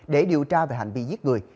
để điều tra về hành vi giết người